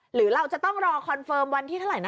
หรือเราจะต้องรอคอนเฟิร์มวันที่เท่าไหร่นะ